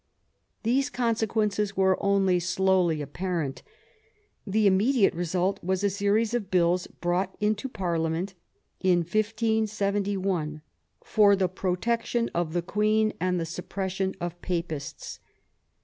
These consequences were only slowly apparent. The immediate result was a series of bills brought 138 QUEEN ELIZABETH, into Parliament, in 1571, for the protection of the Queen and the suppression of Papists.